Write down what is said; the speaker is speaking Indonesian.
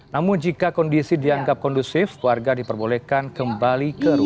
namun jika kondisi dianggap kondusif warga diperbolehkan kembali ke rumah